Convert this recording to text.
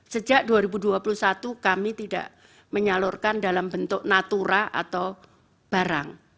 sejak dua ribu dua puluh satu kami tidak menyalurkan dalam bentuk natura atau barang